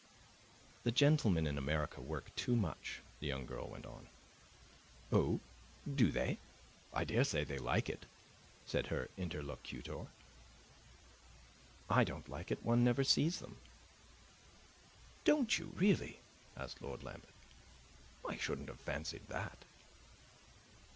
"The gentlemen in America work too much," the young girl went on. "Oh, do they? I daresay they like it," said her interlocutor. "I don't like it. One never sees them." "Don't you, really?" asked Lord Lambeth. "I shouldn't have fancied that."